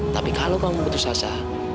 tapi kalau kamu putus asa